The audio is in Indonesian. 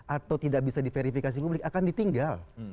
atau tidak bisa diverifikasi publik akan ditinggal